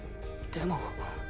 でも。